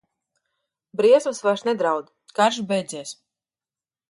Briesmas vairs nedraud, karš beidzies.